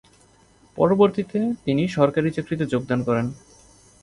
পরবর্তীতে, তিনি সরকারি চাকরিতে যোগদান করেন।